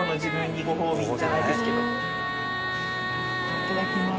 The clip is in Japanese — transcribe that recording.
いただきます。